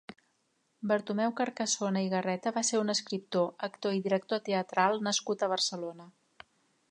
Bartomeu Carcassona i Garreta va ser un escriptor, actor i director teatral nascut a Barcelona.